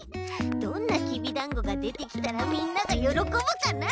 どんなきびだんごがでてきたらみんながよろこぶかな？